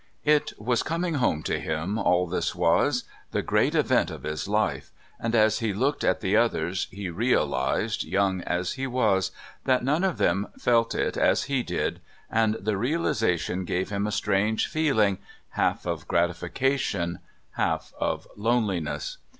It was "coming home" to him, all this was the great event of his life, and as he looked at the others he realised, young as he was, that none of them felt it as he did, and the realisation gave him a strange feeling, half of gratification, half of loneliness.